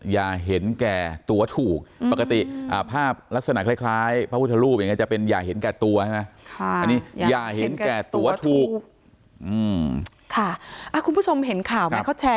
อย่าเห็นแก่ตัวถูกปกติภาพลักษณะคล้าย